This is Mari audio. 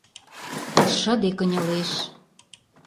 Шыде кынелеш.